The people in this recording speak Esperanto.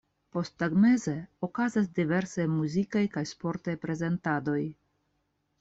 Posttagmeze okazas diversaj muzikaj kaj sportaj prezentadoj.